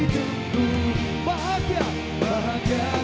tuhan kebesaran tuhan